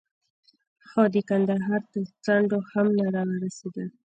خو د کندهار تر څنډو هم نه را ورسېدل.